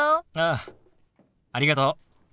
ああありがとう。